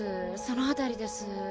その辺りです。